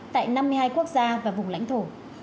tại năm mươi hai quốc gia và vùng lãnh thổ